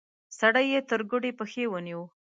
سړی يې تر ګوډې پښې ونيو.